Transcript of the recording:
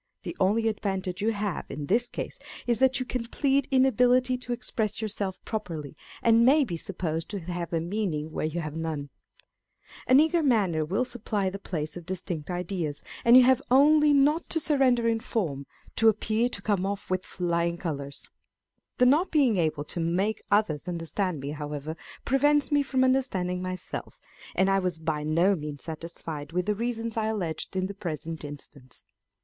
The only advantage you have in this case is that you can plead inability to express yourself pro perly, and may be supposed to have a meaning where you have none. An eager manner will supply the place of distinct ideas, and you have only not to surrender in 47b Scott, Racine, and Shakespeare. form, to appear to come off with flying colours. The not being able to make others understand me, however, prevents me from understanding myself, and I was by no means satisfied with the reasons I alleged in the present instance.